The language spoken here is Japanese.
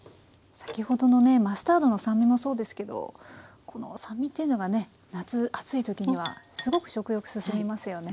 先ほどのねマスタードの酸味もそうですけどこの酸味っていうのがね夏暑い時にはすごく食欲進みますよね。